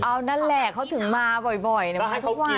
เอานั่นแหละเขาถึงมาบ่อยบ่อยเหมือนไม่ทุกวันนะฮะ